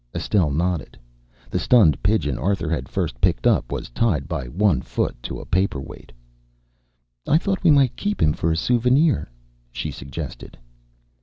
Estelle nodded. The stunned pigeon Arthur had first picked up was tied by one foot to a paper weight. "I thought we might keep him for a souvenir," she suggested.